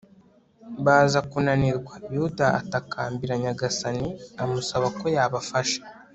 baza kunanirwa. yuda atakambira nyagasani, amusaba ko yabafasha